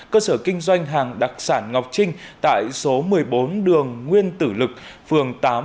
cơ sở kinh doanh hàng đặc sản ngọc trinh tại số một mươi bốn đường nguyên tử lực phường tám